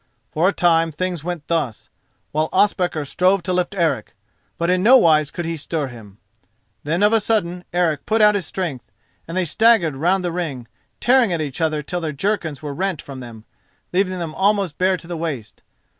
For a time things went thus, while Ospakar strove to lift Eric, but in nowise could he stir him. Then of a sudden Eric put out his strength, and they staggered round the ring, tearing at each other till their jerkins were rent from them, leaving them almost bare to the waist.